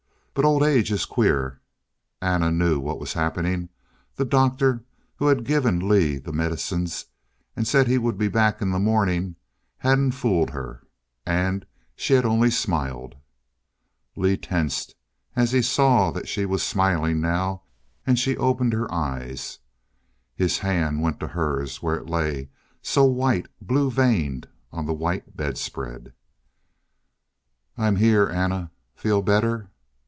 But old age is queer. Anna knew what was happening. The doctor, who had given Lee the medicines and said he would be back in the morning, hadn't fooled her. And she had only smiled. Lee tensed as he saw that she was smiling now; and she opened her eyes. His hand went to hers where it lay, so white, blue veined on the white bedspread. "I'm here, Anna. Feel better?"